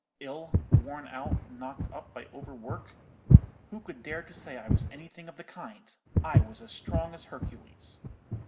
Ill—worn out, knocked up by over work? Who could dare to say I was any thing of the kind? I was as strong as Hercules.